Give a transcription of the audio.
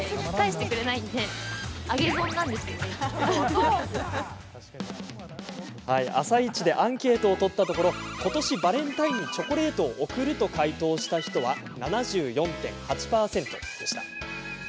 でも「あさイチ」でアンケートを取ったところことし、バレンタインにチョコレートを贈ると回答した人は７４．８％。